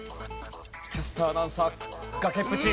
キャスター・アナウンサー崖っぷち。